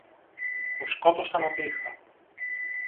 Μου σκότωσαν ό,τι είχα